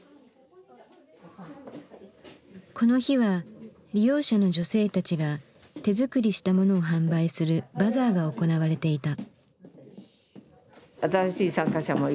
この日は利用者の女性たちが手作りしたものを販売するバザーが行われていた。